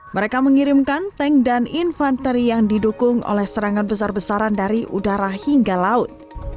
mereka mengirimkan tank dan infanteri yang didukung oleh serangan besar besaran dari udara hingga laut